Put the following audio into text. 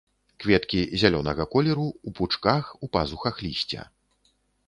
Кветкі зялёнага колеру, у пучках у пазухах лісця.